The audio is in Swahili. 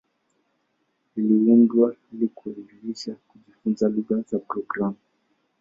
Iliundwa ili kurahisisha kujifunza lugha za programu.